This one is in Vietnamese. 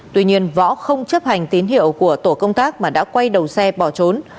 tuy nhiên võ không chấp hành tín hiệu của tổ công tác mà đã quay đầu xe bỏ trốn